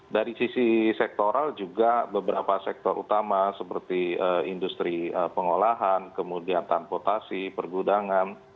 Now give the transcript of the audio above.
dari sisi sektoral juga beberapa sektor utama seperti industri pengolahan kemudian transportasi pergudangan